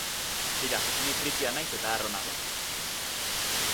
Tira, ni frikia naiz eta harro nago.